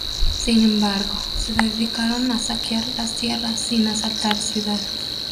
Sin embargo, se dedicaron a saquear las tierras sin asaltar ciudades.